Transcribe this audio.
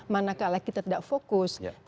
manakala kita tidak fokus